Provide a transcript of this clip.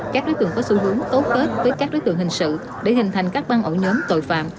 các đối tượng có xu hướng tốt tết với các đối tượng hình sự để hình thành các băng ổ nhóm tội phạm